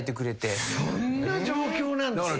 そんな状況なんですね。